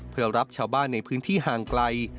เพื่อรับชาวบ้านในพื้นที่ห่างไกล